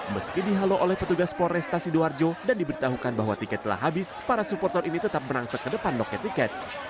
meski dihalau oleh petugas polresta sidoarjo dan diberitahukan bahwa tiket telah habis para supporter ini tetap merangsak ke depan loket tiket